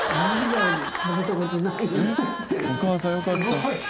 お母さんよかった。